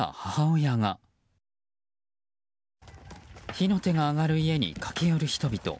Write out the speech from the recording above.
火の手が上がる家に駆け寄る人々。